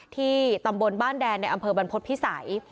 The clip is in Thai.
ที่ตำบลบ้านแดนในอำเภอบรรพฤษภิษัย